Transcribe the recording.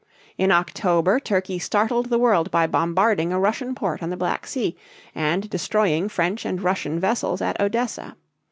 In October Turkey startled the world by bombarding a Russian port on the Black Sea and destroying French and Russian vessels at Odessa.